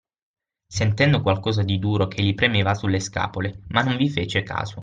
Sentendo qualcosa di duro che gli premeva sulle scapole, ma non vi fece caso.